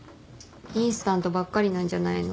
インスタントばっかりなんじゃないの？